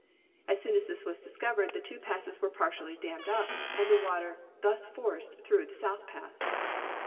As soon as this was discovered, the two passes were partially dammed up, and the water thus forced through the South Pass.